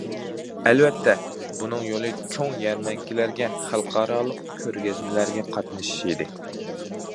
ئەلۋەتتە، بۇنىڭ يولى چوڭ يەرمەنكىلەرگە، خەلقئارالىق كۆرگەزمىلەرگە قاتنىشىش ئىدى.